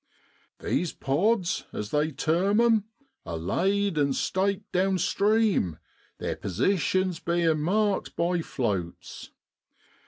These ' pods,' as they term 'em, are laid and staked down stream, their positions bein' marked by floats.